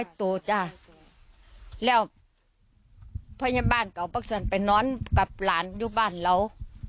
ป่อยตัวจ้ะแล้วพยาบ้านเก่าปรักษันไปนอนกับหลานยกบ้านเรา